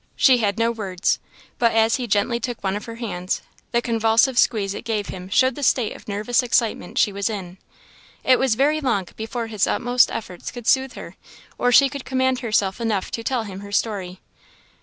She had no words, but as he gently took one of her hands, the convulsive squeeze it gave him showed the state of nervous excitement she was in. It was very long before his utmost efforts could soothe her, or she could command herself enough to tell him her story.